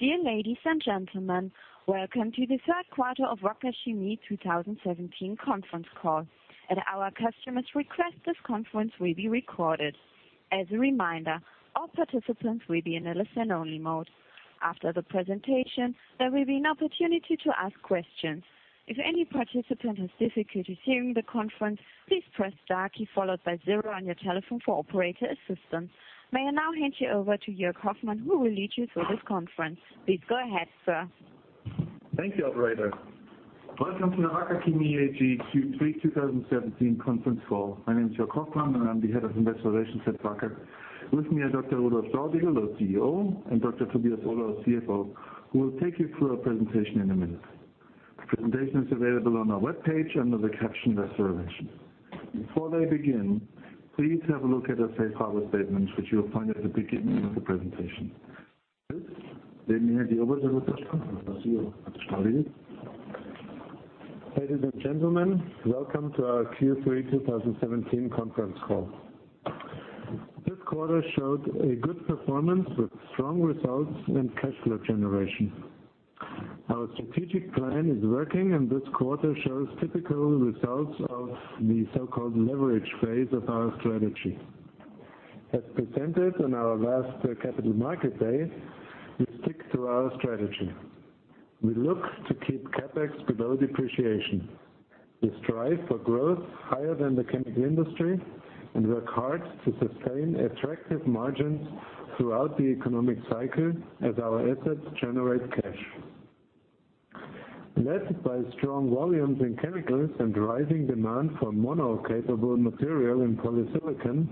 Dear ladies and gentlemen, welcome to the third quarter of Wacker Chemie 2017 conference call. At our customers' request, this conference will be recorded. As a reminder, all participants will be in a listen-only mode. After the presentation, there will be an opportunity to ask questions. If any participant has difficulties hearing the conference, please press star key followed by zero on your telephone for operator assistance. May I now hand you over to Jörg Hoffmann, who will lead you through this conference. Please go ahead, sir. Thank you, operator. Welcome to the Wacker Chemie AG Q3 2017 conference call. My name is Jörg Hoffmann, and I'm the Head of Investor Relations at Wacker. With me are Dr. Rudolf Staudigl, our CEO, and Dr. Tobias Ohler, our CFO, who will take you through our presentation in a minute. The presentation is available on our webpage under the caption Investor Relations. Before they begin, please have a look at our safe harbor statement, which you will find at the beginning of the presentation. With this, let me hand you over to Dr. Staudigl. Ladies and gentlemen, welcome to our Q3 2017 conference call. This quarter showed a good performance with strong results and cash flow generation. Our strategic plan is working, and this quarter shows typical results of the so-called leverage phase of our strategy. As presented on our last Capital Market Day, we stick to our strategy. We look to keep CapEx below depreciation. We strive for growth higher than the chemical industry and work hard to sustain attractive margins throughout the economic cycle as our assets generate cash. Led by strong volumes in chemicals and rising demand for mono-capable material and polysilicon,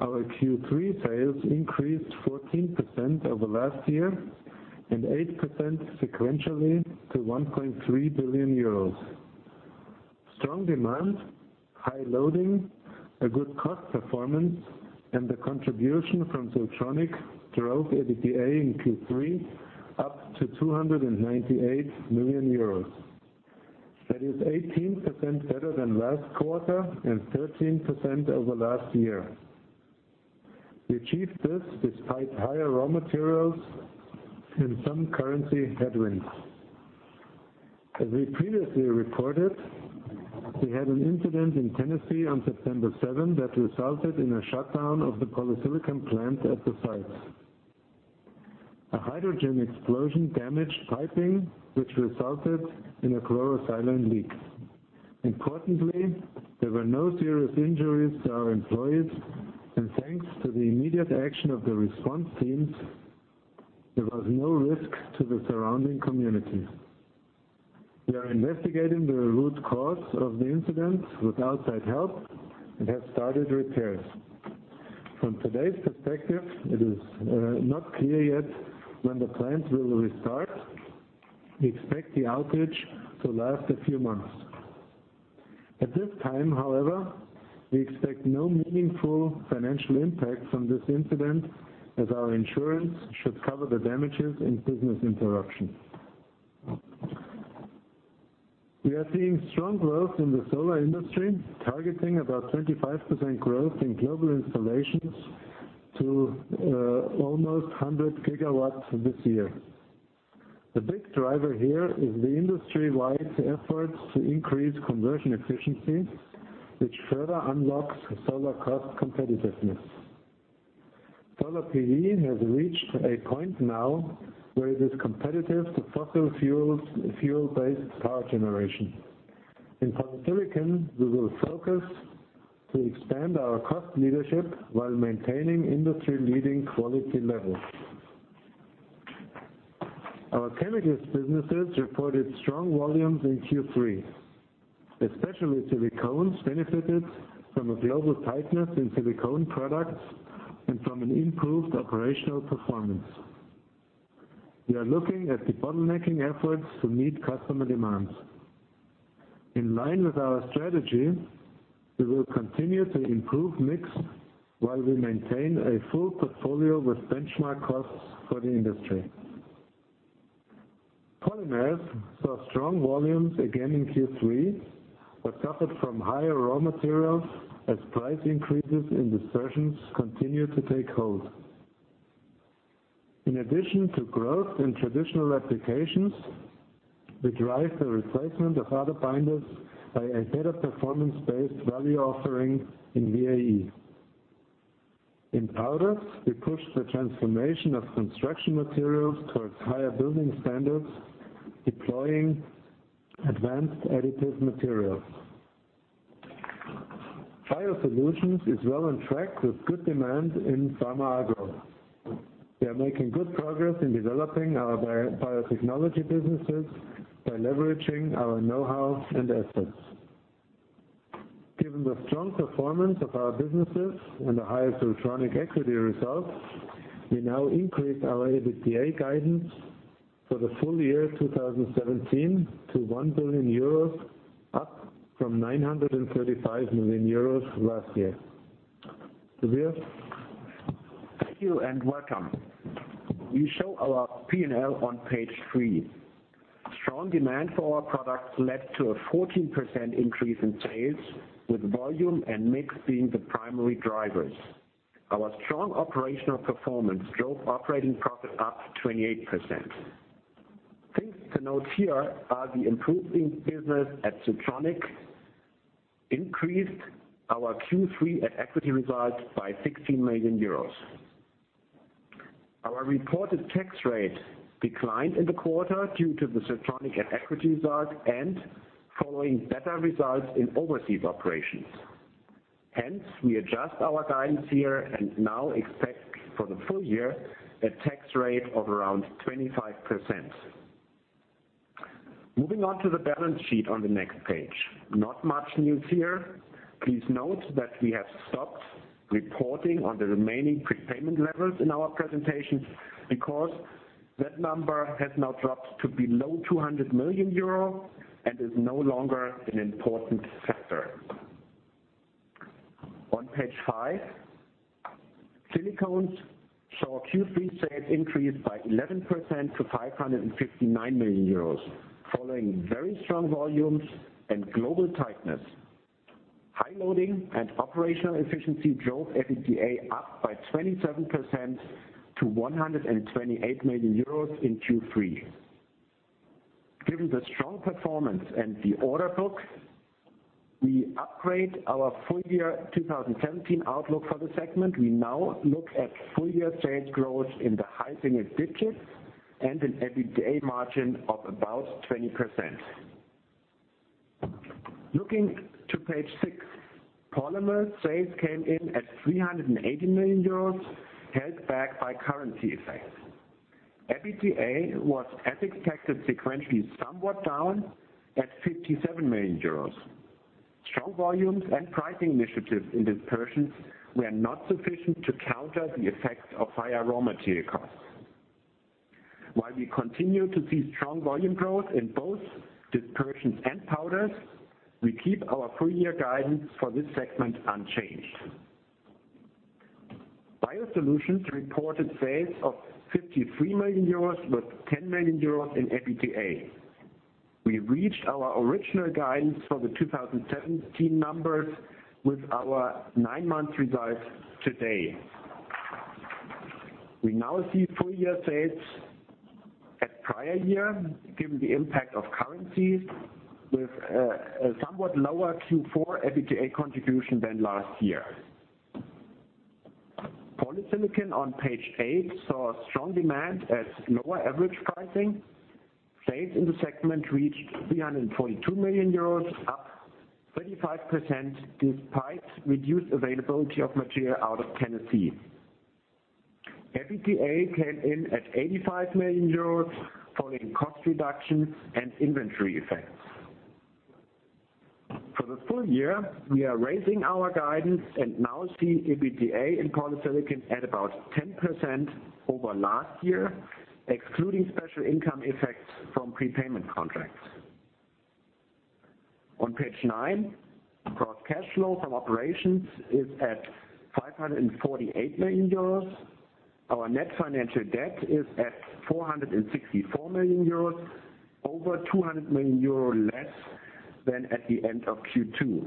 our Q3 sales increased 14% over last year and 8% sequentially to 1.3 billion euros. Strong demand, high loading, a good cost performance, and the contribution from Siltronic AG drove EBITDA in Q3 up to 298 million euros. That is 18% better than last quarter and 13% over last year. We achieved this despite higher raw materials and some currency headwinds. As we previously reported, we had an incident in Tennessee on September 7th that resulted in a shutdown of the polysilicon plant at the site. A hydrogen explosion damaged piping, which resulted in a chlorosilane leak. Importantly, there were no serious injuries to our employees, and thanks to the immediate action of the response teams, there was no risk to the surrounding community. We are investigating the root cause of the incident with outside help and have started repairs. From today's perspective, it is not clear yet when the plant will restart. We expect the outage to last a few months. At this time, however, we expect no meaningful financial impact from this incident as our insurance should cover the damages and business interruption. We are seeing strong growth in the solar industry, targeting about 25% growth in global installations to almost 100 gigawatts this year. The big driver here is the industry-wide efforts to increase conversion efficiency, which further unlocks solar cost competitiveness. Solar PV has reached a point now where it is competitive to fossil fuel-based power generation. In polysilicon, we will focus to expand our cost leadership while maintaining industry-leading quality levels. Our chemicals businesses reported strong volumes in Q3. Especially silicones benefited from a global tightness in silicone products and from an improved operational performance. We are looking at de-bottlenecking efforts to meet customer demands. In line with our strategy, we will continue to improve mix while we maintain a full portfolio with benchmark costs for the industry. Polymers saw strong volumes again in Q3 but suffered from higher raw materials as price increases in dispersions continued to take hold. In addition to growth in traditional applications, we drive the replacement of other binders by a better performance-based value offering in VAE. In powders, we push the transformation of construction materials towards higher building standards, deploying advanced additive materials. BioSolutions is well on track with good demand in pharma agro. We are making good progress in developing our biotechnology businesses by leveraging our know-how and assets. Given the strong performance of our businesses and the higher Siltronic equity results, we now increase our EBITDA guidance for the full year 2017 to 1 billion euros, up from 935 million euros last year. Tobias? Thank you and welcome. We show our P&L on page three. Strong demand for our products led to a 14% increase in sales, with volume and mix being the primary drivers. Our strong operational performance drove operating profit up 28%. Things to note here are the improving business at Siltronic increased our Q3 at equity results by 16 million euros. Our reported tax rate declined in the quarter due to the Siltronic at equity result and following better results in overseas operations. We adjust our guidance here and now expect for the full year a tax rate of around 25%. Moving on to the balance sheet on the next page. Not much news here. Please note that we have stopped reporting on the remaining prepayment levels in our presentation because that number has now dropped to below 200 million euro and is no longer an important factor. On page five, silicones saw Q3 sales increase by 11% to 559 million euros, following very strong volumes and global tightness. High loading and operational efficiency drove EBITDA up by 27% to 128 million euros in Q3. Given the strong performance and the order book, we upgrade our full year 2017 outlook for the segment. We now look at full-year sales growth in the high single digits and an EBITDA margin of about 20%. Looking to page six, polymers sales came in at 380 million euros, held back by currency effects. EBITDA was as expected, sequentially, somewhat down at 57 million euros. Strong volumes and pricing initiatives in dispersions were not sufficient to counter the effects of higher raw material costs. While we continue to see strong volume growth in both dispersions and powders, we keep our full-year guidance for this segment unchanged. BioSolutions reported sales of 53 million euros with 10 million euros in EBITDA. We reached our original guidance for the 2017 numbers with our nine-month results today. We now see full-year sales at prior year given the impact of currency, with a somewhat lower Q4 EBITDA contribution than last year. Polysilicon on page eight saw strong demand at lower average pricing. Sales in the segment reached 342 million euros, up 35%, despite reduced availability of material out of Tennessee. EBITDA came in at 85 million euros following cost reduction and inventory effects. For the full year, we are raising our guidance and now see EBITDA in polysilicon at about 10% over last year, excluding special income effects from prepayment contracts. On page nine, gross cash flow from operations is at 548 million euros. Our net financial debt is at 464 million euros, over 200 million euro less than at the end of Q2.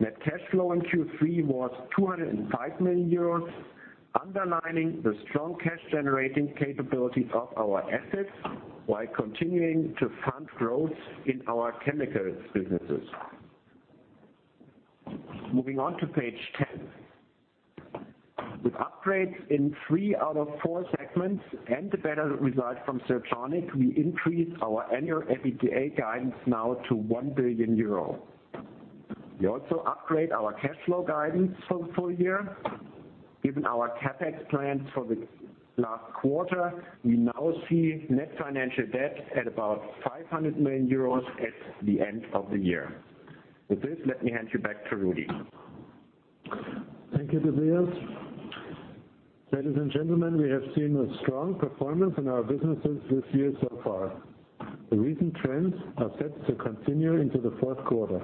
Net cash flow in Q3 was 205 million euros, underlining the strong cash generating capabilities of our assets while continuing to fund growth in our chemicals businesses. Moving on to page 10. With upgrades in three out of four segments and a better result from Siltronic, we increase our annual EBITDA guidance now to 1 billion euro. We also upgrade our cash flow guidance for full year. Given our CapEx plans for the last quarter, we now see net financial debt at about 500 million euros at the end of the year. With this, let me hand you back to Rudi. Thank you, Tobias. Ladies and gentlemen, we have seen a strong performance in our businesses this year so far. The recent trends are set to continue into the fourth quarter.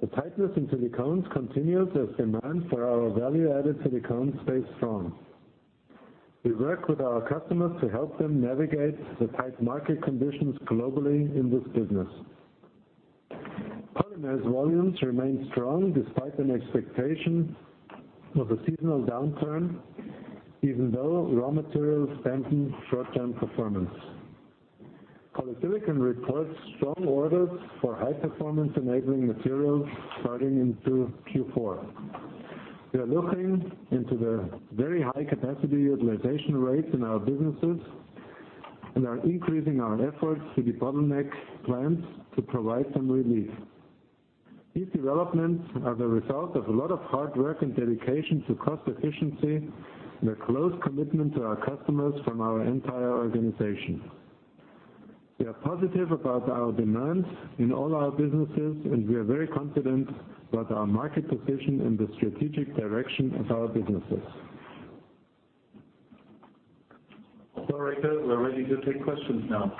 The tightness in silicones continues as demand for our value-added silicones stays strong. We work with our customers to help them navigate the tight market conditions globally in this business. polymers volumes remain strong despite an expectation of a seasonal downturn even though raw materials dampen short-term performance. Polysilicon reports strong orders for high-performance enabling materials starting into Q4. We are looking into the very high capacity utilization rates in our businesses and are increasing our efforts to de-bottleneck plants to provide some relief. These developments are the result of a lot of hard work and dedication to cost efficiency and a close commitment to our customers from our entire organization. We are positive about our demands in all our businesses. We are very confident about our market position and the strategic direction of our businesses. Operator, we are ready to take questions now.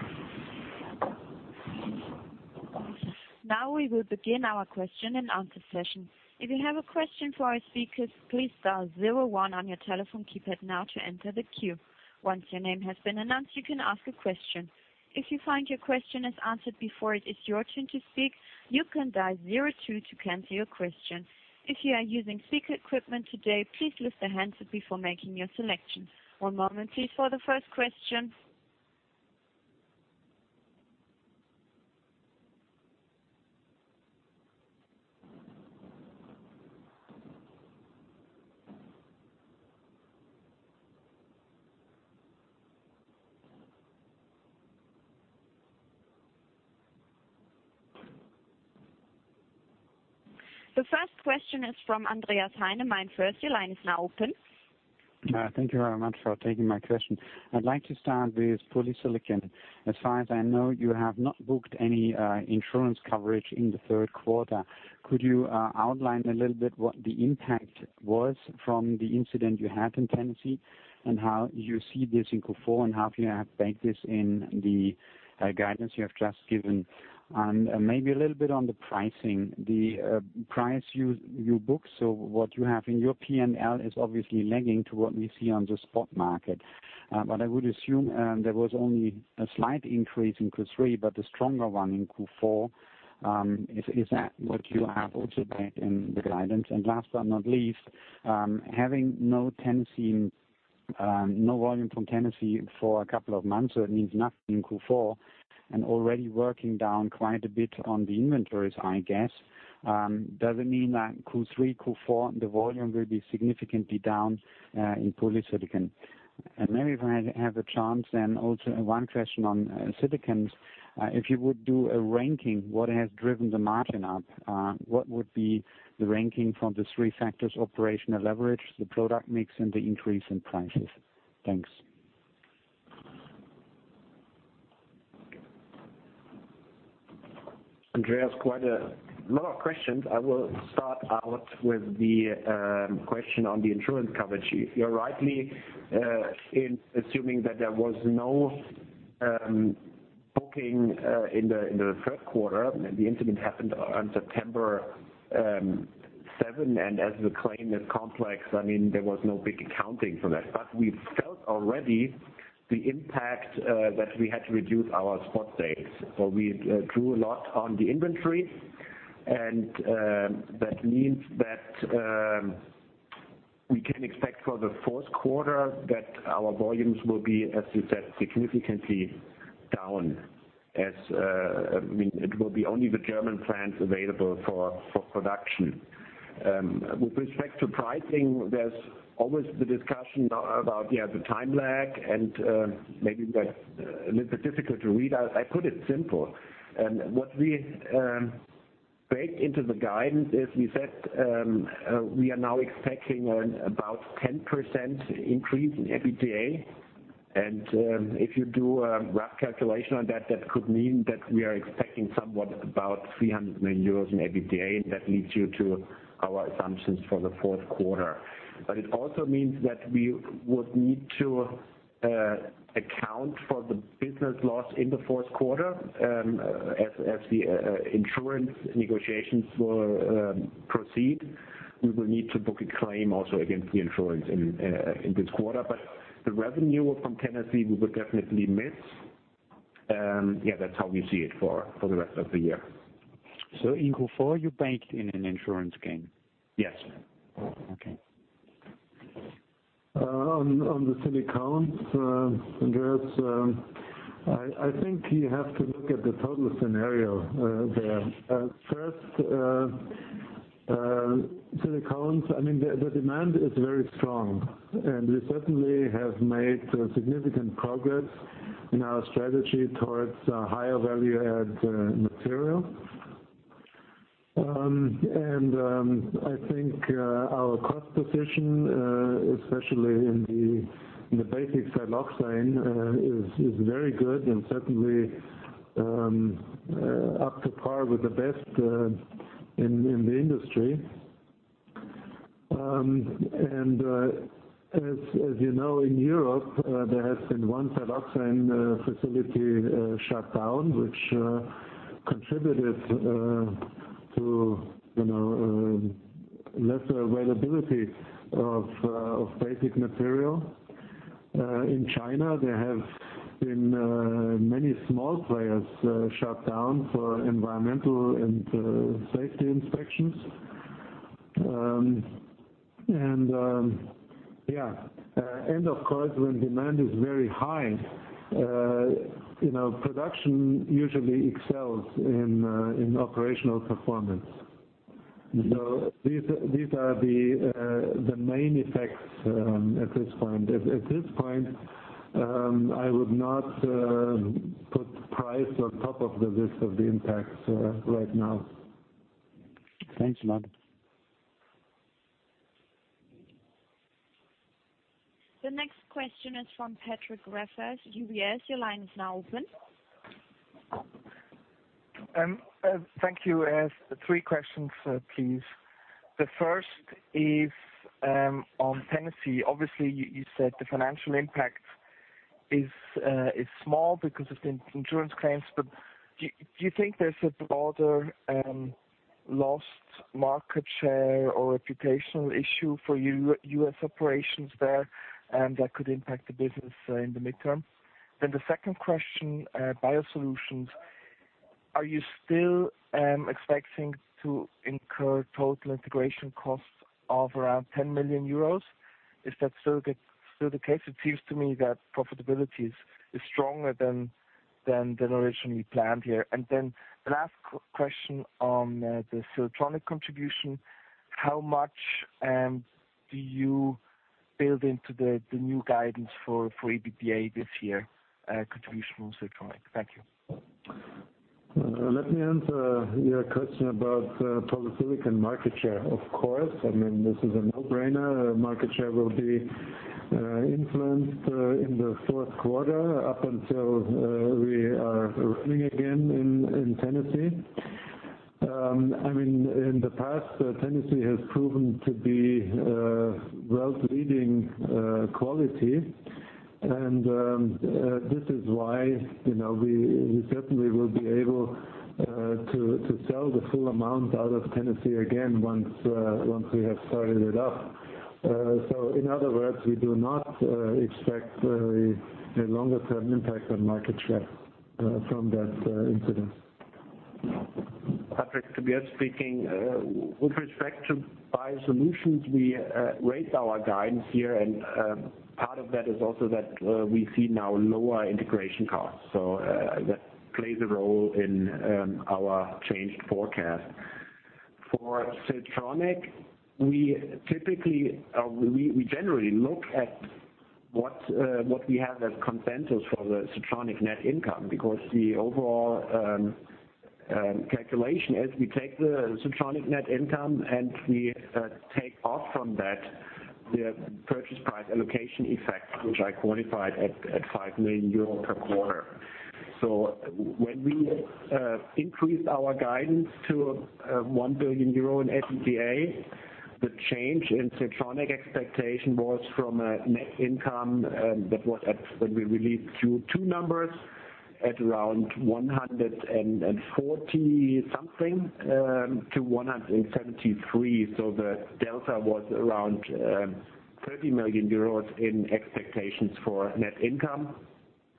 Now we will begin our question and answer session. If you have a question for our speakers, please dial zero one on your telephone keypad now to enter the queue. Once your name has been announced, you can ask a question. If you find your question is answered before it is your turn to speak, you can dial zero two to cancel your question. If you are using speaker equipment today, please lift the handset before making your selection. One moment please, for the first question. The first question is from Andreas Heine, Meinerzhagen. Your line is now open. Thank you very much for taking my question. I would like to start with polysilicon. As far as I know, you have not booked any insurance coverage in the third quarter. Could you outline a little bit what the impact was from the incident you had in Tennessee, and how you see this in Q4, and how you have banked this in the guidance you have just given? And maybe a little bit on the pricing. The price you booked, so what you have in your P&L is obviously lagging to what we see on the spot market. But I would assume there was only a slight increase in Q3, but a stronger one in Q4. Is that what you have also banked in the guidance? Last but not least, having no volume from Tennessee for a couple of months, so it means nothing in Q4, and already working down quite a bit on the inventories, I guess. Does it mean that in Q3, Q4, the volume will be significantly down in polysilicon? And maybe if I have a chance then, also one question on silicon. If you would do a ranking, what has driven the margin up? What would be the ranking from the three factors: operational leverage, the product mix, and the increase in prices? Thanks. Andreas, quite a lot of questions. I will start out with the question on the insurance coverage. You are rightly in assuming that there was no booking in the third quarter. The incident happened on September 7th, and as the claim is complex, there was no big accounting for that. But we felt already the impact that we had to reduce our spot sales. So we drew a lot on the inventory, and that means that we can expect for the fourth quarter that our volumes will be, as you said, significantly down. It will be only the German plants available for production. With respect to pricing, there is always the discussion about the time lag and maybe that is a little bit difficult to read out. I put it simple. What we baked into the guidance is we said we are now expecting about a 10% increase in EBITDA. If you do a rough calculation on that could mean that we are expecting somewhat about 300 million euros in EBITDA, and that leads you to our assumptions for the fourth quarter. It also means that we would need to account for the business loss in the fourth quarter as the insurance negotiations will proceed. We will need to book a claim also against the insurance in this quarter. The revenue from Tennessee we would definitely miss. That's how we see it for the rest of the year. In Q4, you banked in an insurance gain? Yes. Okay. On the silicon, Andreas, I think you have to look at the total scenario there. First, silicon, the demand is very strong, we certainly have made significant progress in our strategy towards higher value-added material. I think our cost position, especially in the basic siloxane, is very good and certainly up to par with the best in the industry. As you know, in Europe, there has been one siloxane facility shut down, which contributed to lesser availability of basic material. In China, there have been many small players shut down for environmental and safety inspections. Of course, when demand is very high, production usually excels in operational performance. These are the main effects at this point. At this point, I would not put price on top of the list of the impacts right now. Thanks a lot. The next question is from Patrick Rafaisz, UBS. Your line is now open. Thank you. I have three questions, please. The first is on Tennessee. Obviously, you said the financial impact is small because of the insurance claims. Do you think there's a broader lost market share or reputational issue for U.S. operations there, and that could impact the business in the midterm? The second question, BioSolutions. Are you still expecting to incur total integration costs of around 10 million euros? Is that still the case? It seems to me that profitability is stronger than originally planned here. The last question on the Siltronic contribution, how much do you build into the new guidance for EBITDA this year, contribution from Siltronic? Thank you. Let me answer your question about polysilicon market share. Of course, this is a no-brainer. Market share will be influenced in the fourth quarter up until we are running again in Tennessee. In the past, Tennessee has proven to be a world-leading quality. This is why we certainly will be able to sell the full amount out of Tennessee again once we have started it up. In other words, we do not expect a longer-term impact on market share from that incident. Patrick, Tobias speaking. With respect to BioSolutions, we raised our guidance here, and part of that is also that we see now lower integration costs. That plays a role in our changed forecast. For Siltronic, we generally look at what we have as consensus for the Siltronic net income, because the overall calculation is we take the Siltronic net income and we take off from that the purchase price allocation effect, which I quantified at 5 million euro per quarter. When we increased our guidance to 1 billion euro in EBITDA, the change in Siltronic expectation was from a net income that was at, when we released Q2 numbers at around 140 something to 173. The delta was around 30 million euros in expectations for net income.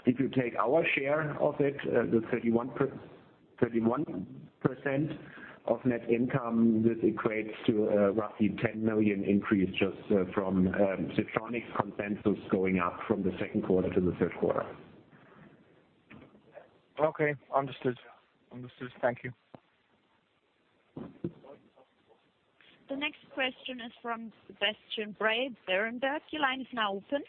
If you take our share of it, the 31% of net income, this equates to roughly a 10 million increase just from Siltronic consensus going up from the second quarter to the third quarter. Okay. Understood. Thank you. The next question is from Sebastian Bray at Berenberg. Your line is now open.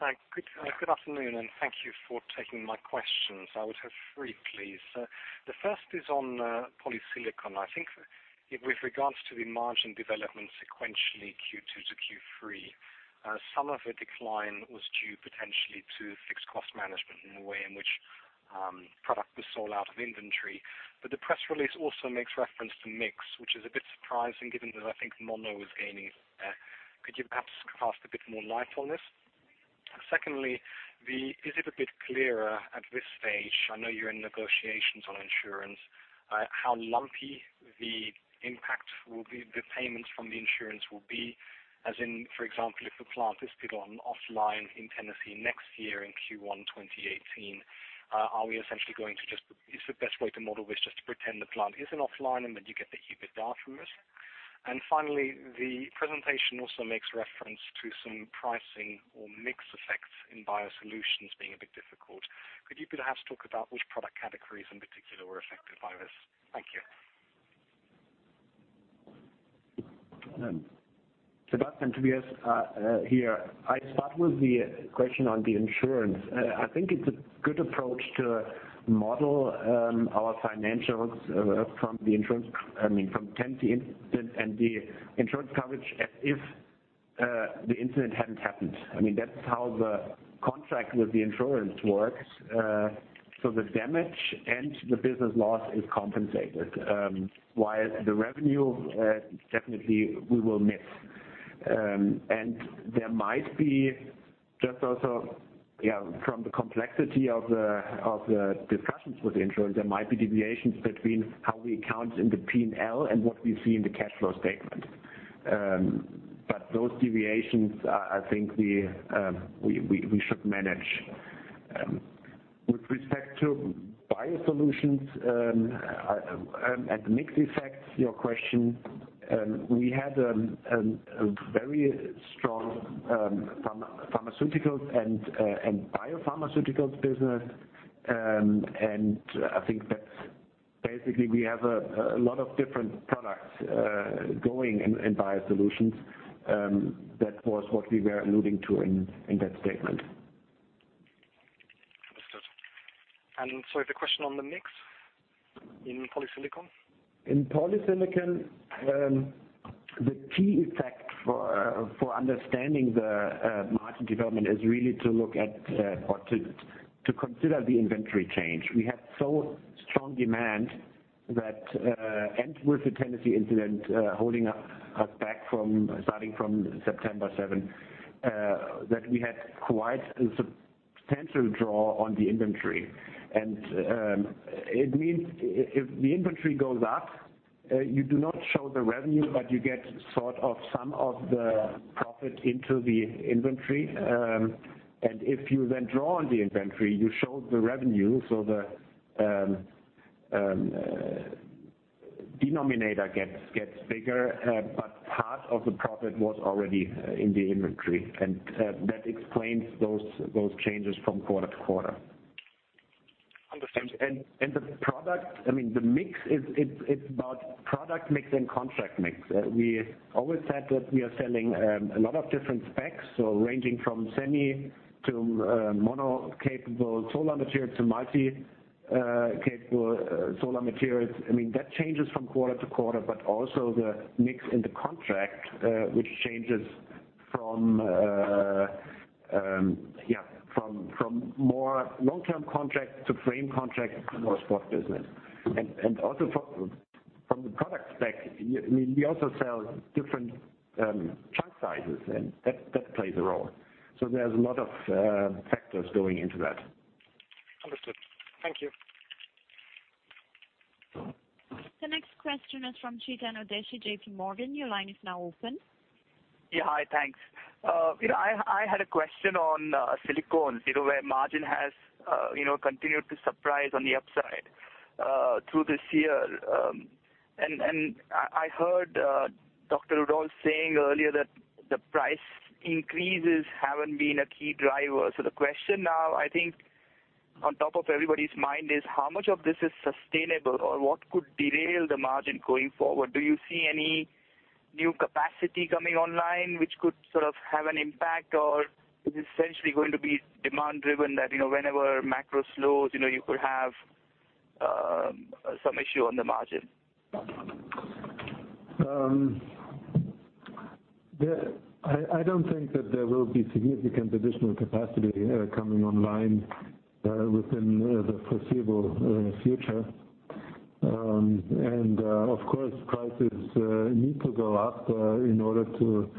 Hi. Good afternoon. Thank you for taking my questions. I would have three, please. The first is on polysilicon. I think with regards to the margin development sequentially, Q2 to Q3, some of the decline was due potentially to fixed cost management in the way in which product was sold out of inventory. The press release also makes reference to mix, which is a bit surprising given that I think mono is gaining there. Could you perhaps cast a bit more light on this? Secondly, is it a bit clearer at this stage, I know you're in negotiations on insurance, how lumpy the impact will be, the payments from the insurance will be, as in, for example, if the plant is still offline in Tennessee next year in Q1 2018, is the best way to model this just to pretend the plant isn't offline and that you get the EBITDA from it? Finally, the presentation also makes reference to some pricing or mix effects in Wacker BioSolutions being a bit difficult. Could you perhaps talk about which product categories in particular were affected by this? Thank you. Sebastian, Tobias here. I'll start with the question on the insurance. I think it's a good approach to model our financials from the insurance, from Tennessee incident and the insurance coverage as if the incident hadn't happened. That's how the contract with the insurance works. The damage and the business loss is compensated. While the revenue, definitely we will miss. There might be just also from the complexity of the discussions with the insurer, there might be deviations between how we account in the P&L and what we see in the cash flow statement. Those deviations, I think we should manage. With respect to Wacker BioSolutions, and mix effects, your question, we had a very strong pharmaceuticals and biopharmaceuticals business. I think that basically we have a lot of different products going in Wacker BioSolutions. That was what we were alluding to in that statement. Understood. Sorry, the question on the mix in polysilicon. In polysilicon, the key effect for understanding the margin development is really to consider the inventory change. We had so strong demand, with the Tennessee incident holding us back starting from September 7th, that we had quite a substantial draw on the inventory. It means if the inventory goes up, you do not show the revenue, but you get some of the profit into the inventory. If you then draw on the inventory, you show the revenue, so the denominator gets bigger. Part of the profit was already in the inventory. That explains those changes from quarter to quarter. Understand. The mix is about product mix and contract mix. We always said that we are selling a lot of different specs, so ranging from semi to mono-capable solar materials to multicrystalline solar materials. That changes from quarter to quarter, also the mix in the contract, which changes from more long-term contracts to frame contracts to more spot business. Also from the product spec, we also sell different chunk sizes, and that plays a role. There's a lot of factors going into that. Understood. Thank you. The next question is from Chetan Udeshi, JPMorgan. Your line is now open. Hi, thanks. I had a question on polysilicon. Where margin has continued to surprise on the upside through this year. I heard Dr. Rudolf saying earlier that the price increases haven't been a key driver. The question now, I think on top of everybody's mind is, how much of this is sustainable, or what could derail the margin going forward? Do you see any new capacity coming online which could have an impact, or is it essentially going to be demand-driven that whenever macro slows, you could have some issue on the margin? I don't think that there will be significant additional capacity coming online within the foreseeable future. Of course, prices need to go up in order to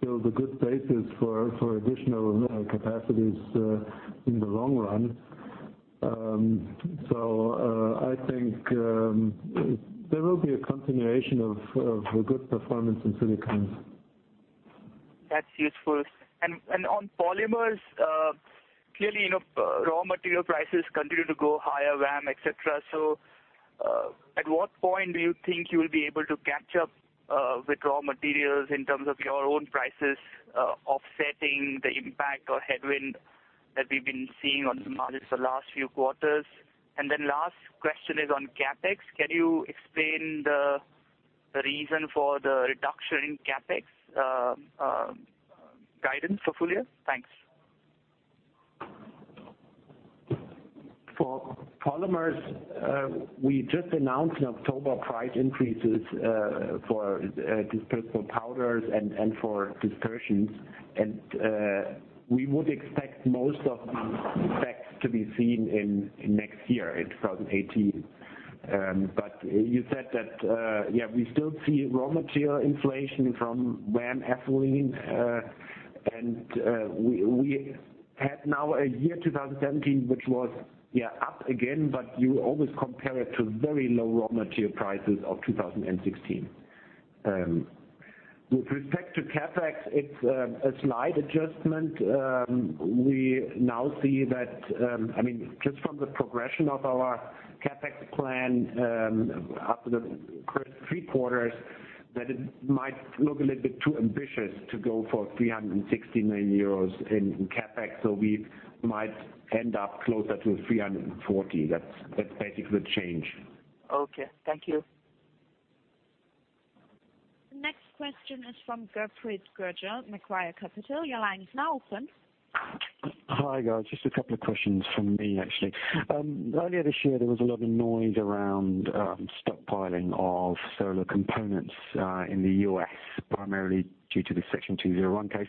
build a good basis for additional capacities in the long run. I think there will be a continuation of the good performance in silicon. That's useful. On polymers, clearly raw material prices continue to go higher, VAM, et cetera. At what point do you think you'll be able to catch up with raw materials in terms of your own prices offsetting the impact or headwind that we've been seeing on the market for the last few quarters? Then last question is on CapEx. Can you explain the reason for the reduction in CapEx guidance for full year? Thanks. For polymers, we just announced in October price increases for dispersible powders and for dispersions. We would expect most of these effects to be seen in next year, in 2018. You said that we still see raw material inflation from VAM ethylene. We had now a year 2017, which was up again, but you always compare it to very low raw material prices of 2016. With respect to CapEx, it's a slight adjustment. We now see that just from the progression of our CapEx plan after the first three quarters, that it might look a little bit too ambitious to go for 360 million euros in CapEx. We might end up closer to 340 million. That's basically the change. Okay. Thank you. The next question is from Guppreet Sgrger, Macquarie Capital. Your line is now open. Hi, guys. Just a couple of questions from me, actually. Earlier this year, there was a lot of noise around stockpiling of solar components in the U.S., primarily due to the Section 201 case.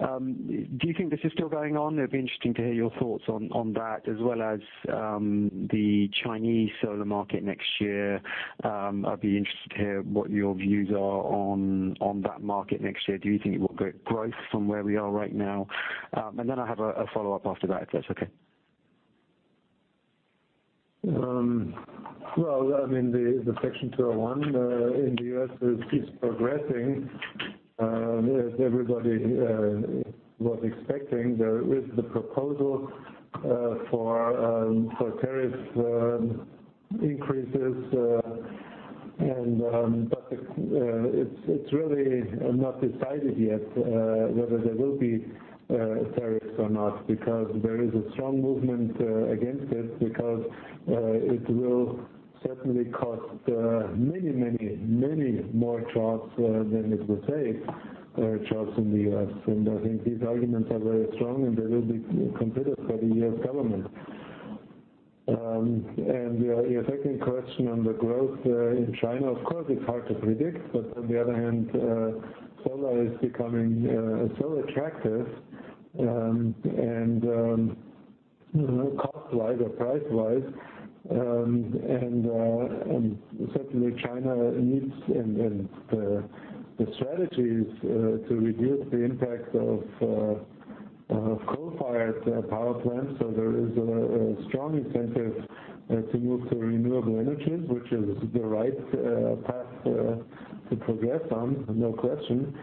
Do you think this is still going on? It'd be interesting to hear your thoughts on that as well as the Chinese solar market next year. I'd be interested to hear what your views are on that market next year. Do you think it will grow from where we are right now? Then I have a follow-up after that, if that's okay. Well, the Section 201 in the U.S. keeps progressing. As everybody was expecting, there is the proposal for tariff increases. It's really not decided yet whether there will be tariffs or not, because there is a strong movement against it because it will certainly cost many more jobs than it will save jobs in the U.S. I think these arguments are very strong, and they will be considered by the U.S. government. Your second question on the growth in China, of course, it's hard to predict, on the other hand, solar is becoming so attractive, cost-wise or price-wise. Certainly China needs, and the strategy is to reduce the impact of coal-fired power plants. There is a strong incentive to move to renewable energies, which is the right path to progress on, no question.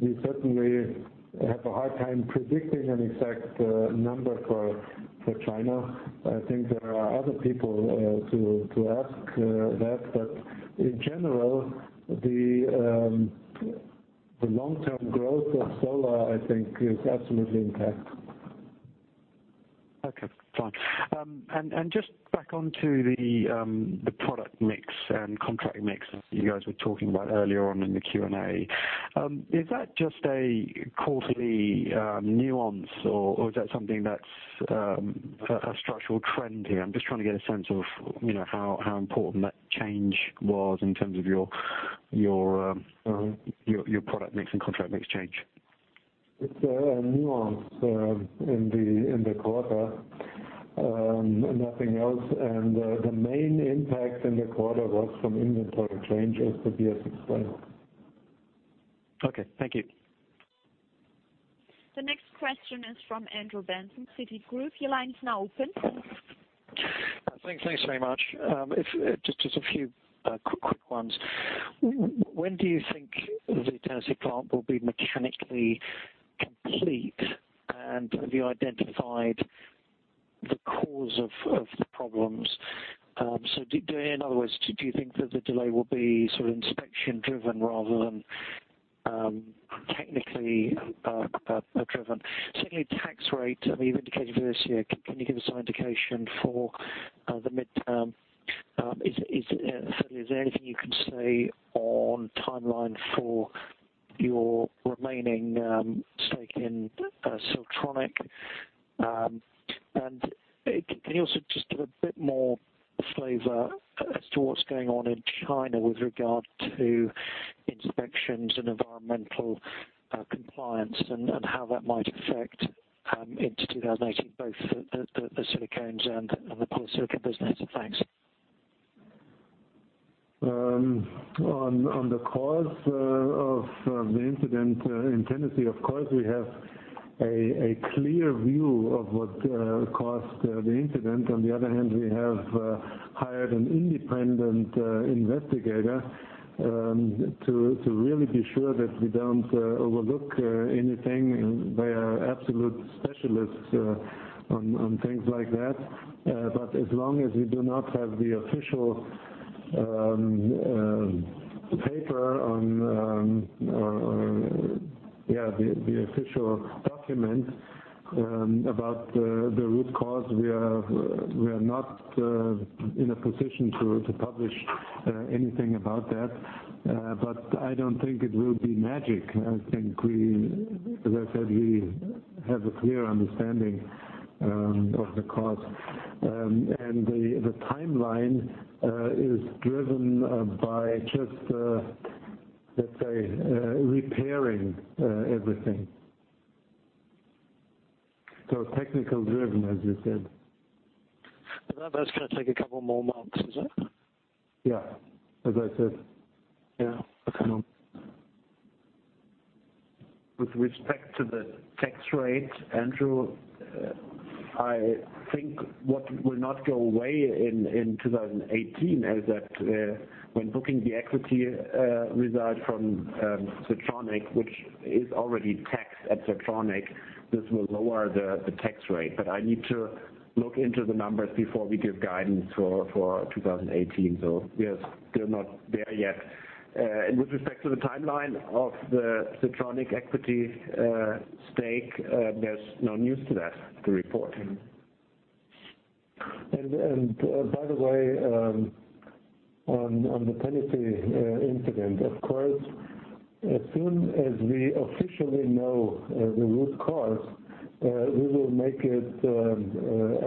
We certainly have a hard time predicting an exact number for China. I think there are other people to ask that, in general, the long-term growth of solar, I think, is absolutely intact. Okay, fine. Just back onto the product mix and contract mix that you guys were talking about earlier on in the Q&A. Is that just a quarterly nuance or is that something that is a structural trend here? I am just trying to get a sense of how important that change was in terms of your product mix and contract mix change. It is a nuance in the quarter. Nothing else. The main impact in the quarter was from inventory change as Tobias explained. Okay. Thank you. The next question is from Andrew Benson, Citigroup. Your line is now open. Thanks very much. Just a few quick ones. When do you think the Tennessee plant will be mechanically complete? Have you identified the cause of the problems? In other words, do you think that the delay will be sort of inspection driven rather than technically driven? Certainly, tax rate, I mean, you've indicated for this year. Can you give us some indication for the midterm? Thirdly, is there anything you can say on timeline for your remaining stake in Siltronic? Can you also just give a bit more flavor as to what's going on in China with regard to inspections and environmental compliance and how that might affect into 2018, both the silicones and the polysilicon business? Thanks. On the cause of the incident in Tennessee, of course, we have a clear view of what caused the incident. On the other hand, we have hired an independent investigator to really be sure that we don't overlook anything. They are absolute specialists on things like that. As long as we do not have the official document about the root cause. We are not in a position to publish anything about that. I don't think it will be magic. I think we, as I said, we have a clear understanding of the cause. The timeline is driven by just, let's say, repairing everything. Technical driven, as you said. That's going to take a couple more months, is it? Yeah. As I said. Yeah. Okay. With respect to the tax rate, Andrew, I think what will not go away in 2018 is that when booking the equity result from Siltronic, which is already taxed at Siltronic, this will lower the tax rate. I need to look into the numbers before we give guidance for 2018. Yes, they're not there yet. With respect to the timeline of the Siltronic equity stake, there's no news to that to report. By the way, on the Tennessee incident, of course, as soon as we officially know the root cause, we will make it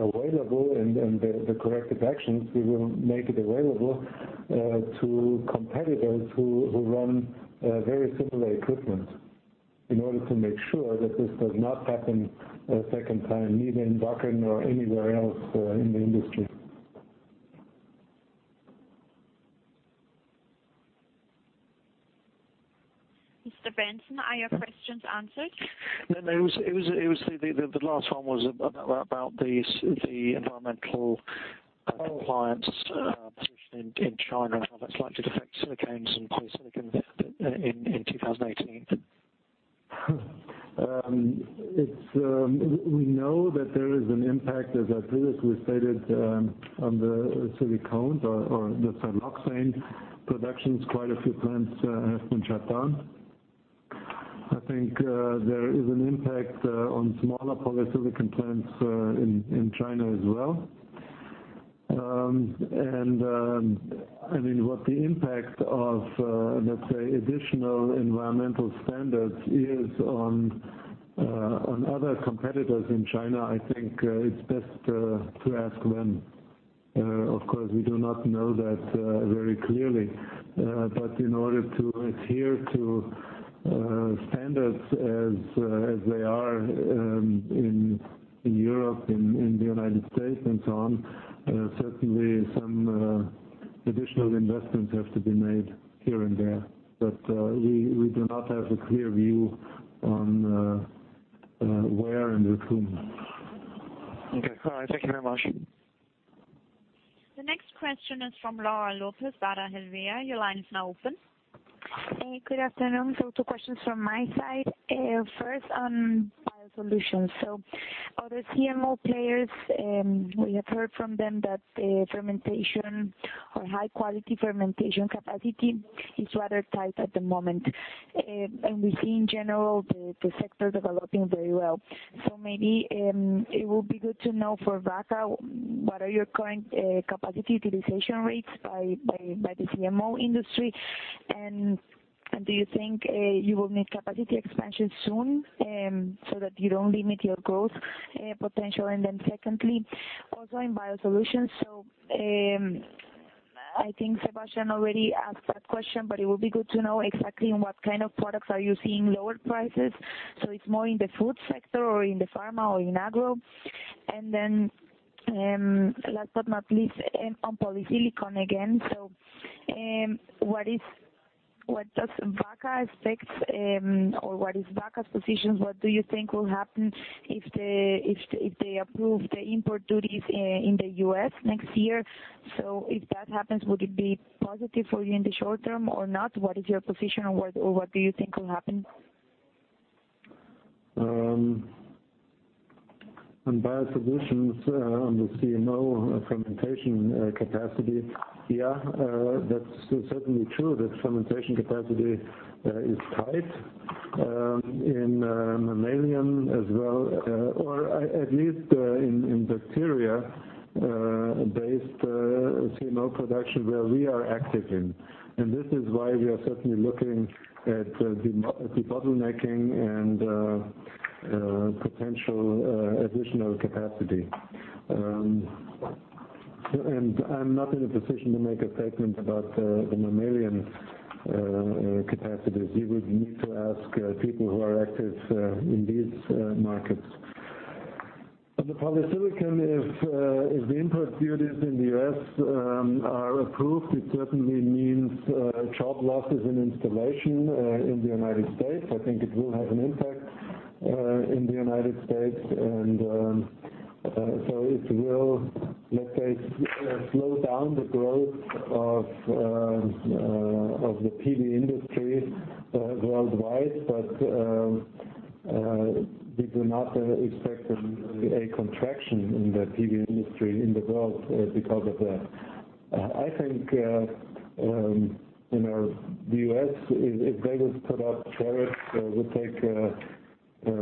available and the corrective actions, we will make it available to competitors who run very similar equipment in order to make sure that this does not happen a second time, neither in Wacker nor anywhere else in the industry. Mr. Benson, are your questions answered? No. It was the last one was about the environmental compliance position in China. How that's likely to affect silicones and polysilicon in 2018. We know that there is an impact, as I previously stated, on the silicones or the siloxane productions. Quite a few plants have been shut down. I think there is an impact on smaller polysilicon plants in China as well. What the impact of, let's say, additional environmental standards is on other competitors in China, I think it's best to ask them. Of course, we do not know that very clearly. In order to adhere to standards as they are in Europe, in the U.S. and so on, certainly some additional investments have to be made here and there. We do not have a clear view on where and with whom. Okay. All right. Thank you very much. The next question is from Laura Lopez, Bank of America. Your line is now open. Good afternoon. Two questions from my side. First, on Wacker BioSolutions. Other CMO players, we have heard from them that fermentation or high-quality fermentation capacity is rather tight at the moment. We see in general the sector developing very well. Maybe it would be good to know for Wacker, what are your current capacity utilization rates by the CMO industry? Do you think you will need capacity expansion soon, so that you don't limit your growth potential? Secondly, also in Wacker BioSolutions. I think Sebastian already asked that question, but it would be good to know exactly in what kind of products are you seeing lower prices. Is it more in the food sector or in the pharma or in agro? Last but not least, on polysilicon again. What does Wacker expect, or what is Wacker's position? What do you think will happen if they approve the import duties in the U.S. next year? If that happens, would it be positive for you in the short term or not? What is your position on what, or what do you think will happen? On Wacker BioSolutions, on the CMO fermentation capacity. That's certainly true that fermentation capacity is tight in mammalian as well, or at least in bacteria-based CMO production where we are active in. This is why we are certainly looking at de-bottlenecking and potential additional capacity. I'm not in a position to make a statement about the mammalian capacities. You would need to ask people who are active in these markets. On the polysilicon, if the import duties in the U.S. are approved, it certainly means job losses and installation in the United States. I think it will have an impact in the United States. It will, let's say, slow down the growth of the PV industry worldwide. We do not expect a contraction in the PV industry in the world because of that. I think the U.S., if they will put up tariffs, to use our words, we take a big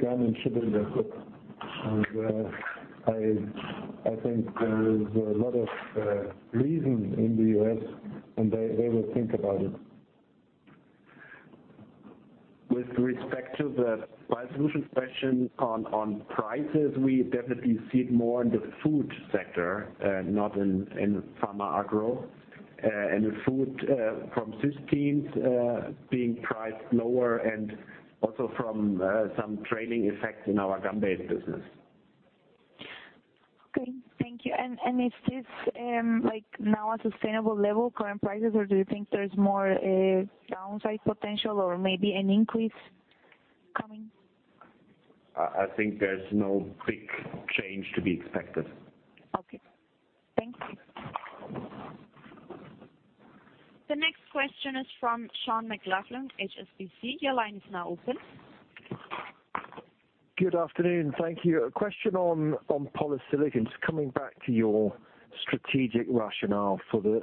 gun and shoot it in the foot. I think there is a lot of reason in the U.S., they will think about it. With respect to the biosolutions question on prices, we definitely see it more in the food sector, not in pharma agro. In food from cysteine being priced lower and also from some trailing effects in our gum-based business. Okay, thank you. Is this now a sustainable level current prices, or do you think there's more downside potential or maybe an increase coming? I think there's no quick change to be expected. Okay. Thanks. The next question is from Sean McLoughlin, HSBC. Your line is now open. Good afternoon. Thank you. A question on polysilicon. Just coming back to your strategic rationale for the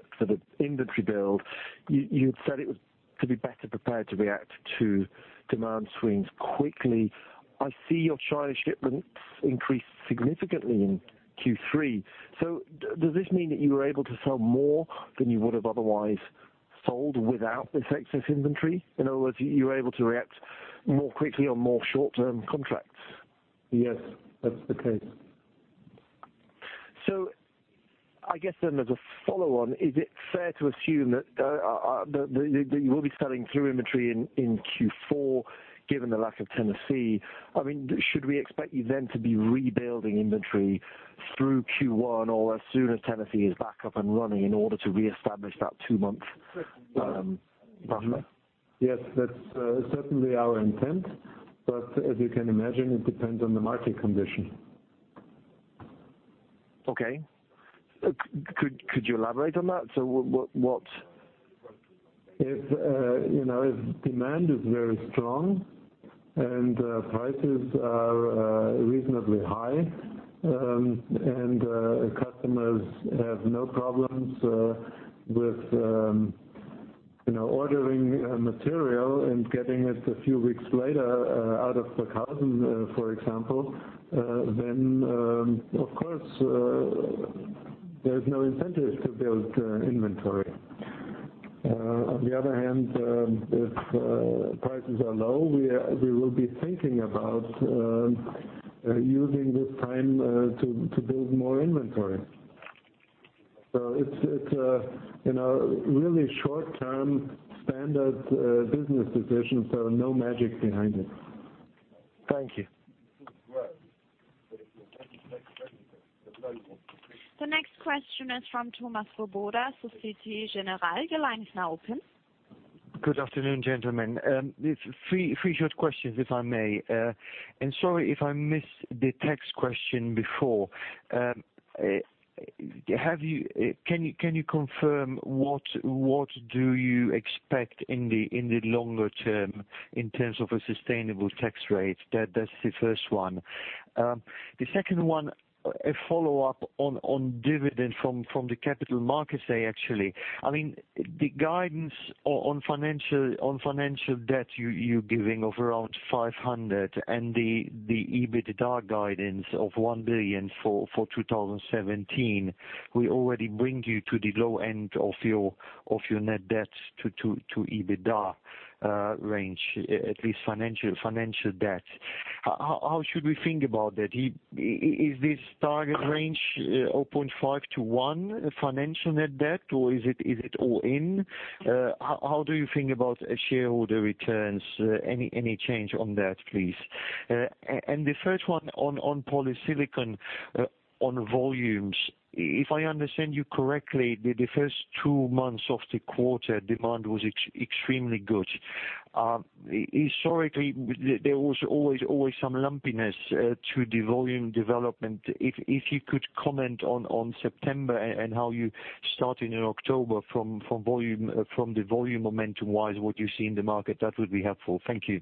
inventory build. You had said it was to be better prepared to react to demand swings quickly. I see your China shipments increased significantly in Q3. Does this mean that you were able to sell more than you would have otherwise sold without this excess inventory? In other words, you were able to react more quickly on more short-term contracts. Yes, that's the case. I guess then as a follow-on, is it fair to assume that you will be selling through inventory in Q4, given the lack of Tennessee? Should we expect you then to be rebuilding inventory through Q1 or as soon as Tennessee is back up and running in order to reestablish that two months buffer? Yes, that's certainly our intent. As you can imagine, it depends on the market condition. Okay. Could you elaborate on that? If demand is very strong and prices are reasonably high, and customers have no problems with ordering material and getting it a few weeks later out of Burghausen, for example, of course, there's no incentive to build inventory. On the other hand, if prices are low, we will be thinking about using this time to build more inventory. It's a really short-term standard business decision, no magic behind it. Thank you. The next question is from Thomas Robota, Societe Generale. Your line's now open. Good afternoon, gentlemen. Three short questions, if I may. Sorry if I missed the tax question before. Can you confirm what do you expect in the longer term in terms of a sustainable tax rate? That's the first one. The second one, a follow-up on dividend from the Capital Markets Day, actually. The guidance on financial debt you're giving of around 500 and the EBITDA guidance of 1 billion for 2017, will already bring you to the low end of your net debt to EBITDA range, at least financial debt. How should we think about that? Is this target range 0.5 to 1 financial net debt, or is it all in? How do you think about shareholder returns? Any change on that, please? The third one on polysilicon, on volumes. If I understand you correctly, the first two months of the quarter, demand was extremely good. Historically, there was always some lumpiness to the volume development. If you could comment on September and how you started in October from the volume momentum-wise, what you see in the market, that would be helpful. Thank you.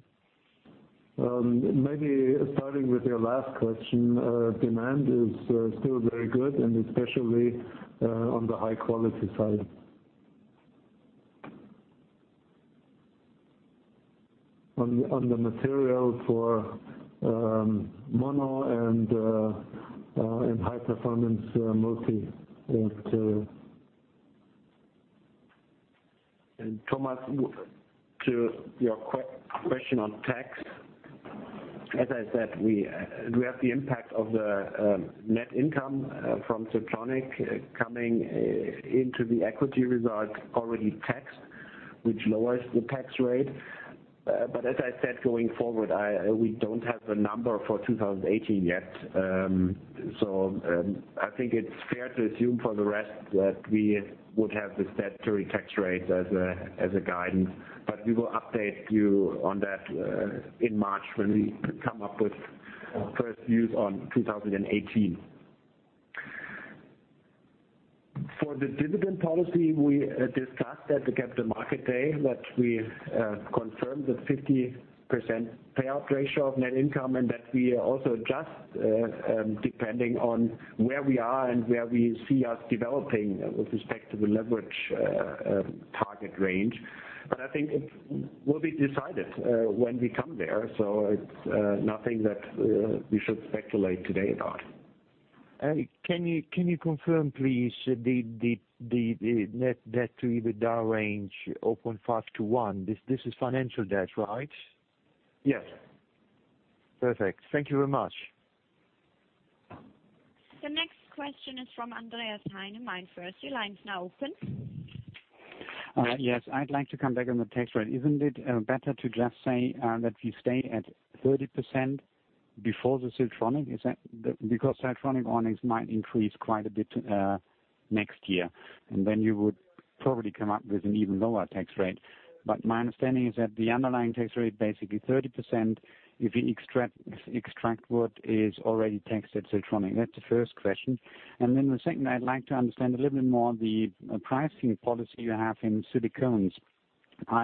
Maybe starting with your last question. Demand is still very good, and especially on the high-quality side. On the material for mono and high-performance multi, I think too. Thomas, to your question on tax, as I said, we have the impact of the net income from Siltronic coming into the equity result already taxed, which lowers the tax rate. As I said, going forward, we do not have a number for 2018 yet. I think it is fair to assume for the rest that we would have the statutory tax rate as a guidance. We will update you on that in March when we come up with first views on 2018. For the dividend policy, we discussed at the Capital Market Day that we confirmed the 50% payout ratio of net income, and that we also adjust, depending on where we are and where we see us developing with respect to the leverage target range. I think it will be decided when we come there, it is nothing that we should speculate today about. Can you confirm, please, the net debt to EBITDA range, 0.5 to 1? This is financial debt, right? Yes. Perfect. Thank you very much. The next question is from Andreas Heine, Meinerzhagen. Your line is now open. Yes, I'd like to come back on the tax rate. Isn't it better to just say that we stay at 30% before the Siltronic? Siltronic earnings might increase quite a bit next year, then you would probably come up with an even lower tax rate. My understanding is that the underlying tax rate basically 30% if you extract what is already taxed at Siltronic. That's the first question. The second, I'd like to understand a little bit more the pricing policy you have in silicones.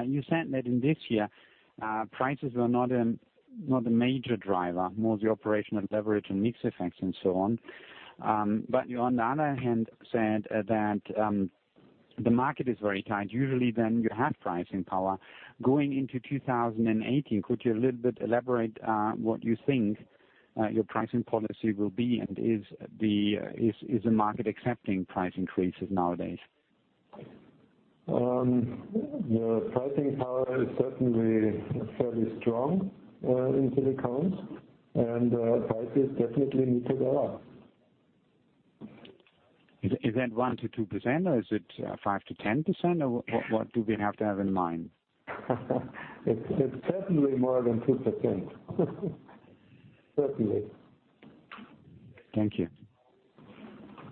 You said that in this year, prices were not a major driver, more the operational leverage and mix effects and so on. You, on the other hand, said that the market is very tight. Usually, you have pricing power. Going into 2018, could you a little bit elaborate what you think your pricing policy will be? Is the market accepting price increases nowadays? The pricing power is certainly fairly strong in silicones. Prices definitely need to go up. Is that 1%-2%, or is it 5%-10%? What do we have to have in mind? It's certainly more than 2%. Certainly. Thank you.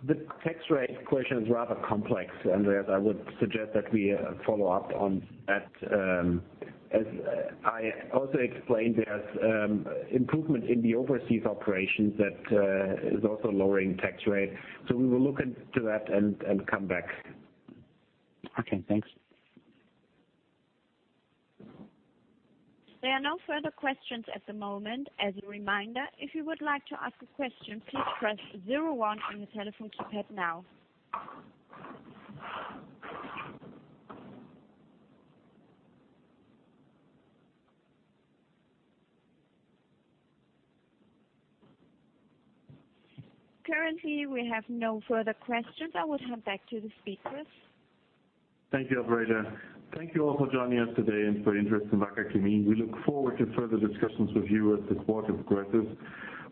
The tax rate question is rather complex, Andreas. I would suggest that we follow up on that. As I also explained, there's improvement in the overseas operations that is also lowering tax rate. We will look into that and come back. Okay, thanks. There are no further questions at the moment. As a reminder, if you would like to ask a question, please press 01 on your telephone keypad now. Currently, we have no further questions. I would hand back to the speakers. Thank you, operator. Thank you all for joining us today and for your interest in Wacker Chemie. We look forward to further discussions with you as the quarter progresses.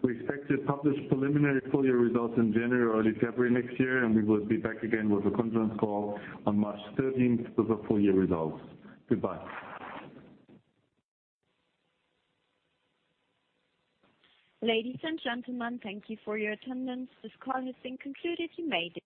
We expect to publish preliminary full-year results in January or February next year, and we will be back again with a conference call on March 13th with the full-year results. Goodbye. Ladies and gentlemen, thank you for your attendance. This call has been concluded. You may disconnect.